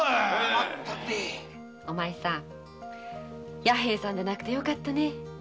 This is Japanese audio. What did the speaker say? お前さん弥平さんでなくてよかったね。